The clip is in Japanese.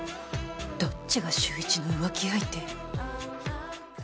どっちが秀一の浮気相手？